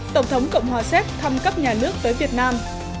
tổng thống cộng hòa séc thăm cấp nhà nước tới việt nam